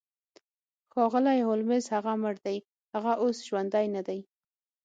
ښاغلی هولمز هغه مړ دی هغه اوس ژوندی ندی